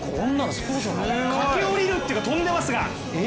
駆け下りるっていうか飛んでますが。